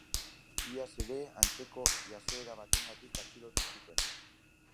Iaz ere antzeko jazoera batengatik atxilotu zuten.